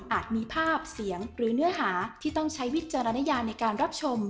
มีภาพเสียงหรือเนื้อหาที่ต้องใช้วิจารณญาในการรับชม